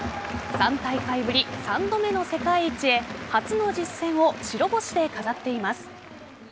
３大会ぶり３度目の世界一へ初の実戦を白星で飾っています。